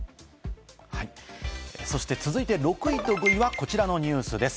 続いて６位と５位はこちらのニュースです。